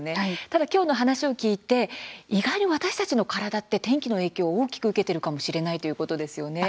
ただ、きょうの話を聞いて意外に私たちの体って天気の影響を大きく受けているのかもしれないということですよね。